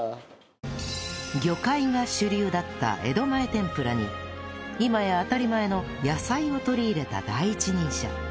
魚介が主流だった江戸前天ぷらに今や当たり前の野菜を取り入れた第一人者